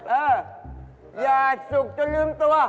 เอออย่าสุกจนลืมตัว